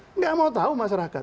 enggak mau tahu masyarakat